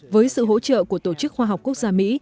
với sự hỗ trợ của tổ chức khoa học quốc gia mỹ